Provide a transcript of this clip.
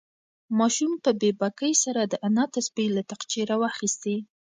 ماشوم په بې باکۍ سره د انا تسبیح له تاقچې راوخیستې.